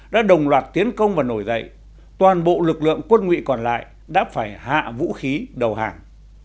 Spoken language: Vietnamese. đã đồng loạt tiến công và nổi dậy toàn bộ lực lượng quân nguyện còn lại đã phải hạ vũ khí đầu hàng